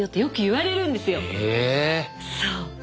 そう。